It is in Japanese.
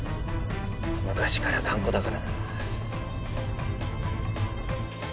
昔から頑固だからな。